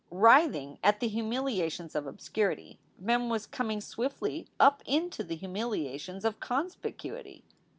Writhing at the humiliations of obscurity, Mem was com ing swiftly up into the humiliations of conspicuity.